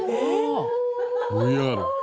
ＶＲ。